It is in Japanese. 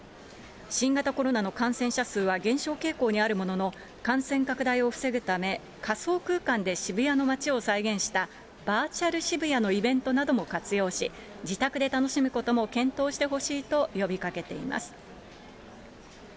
新型コロナの感染者数は減少傾向にあるものの、感染拡大を防ぐため、仮想空間で渋谷の街を再現したバーチャル渋谷のイベントなども活用し、自宅で楽しむことも検討してほしいと呼びかけています。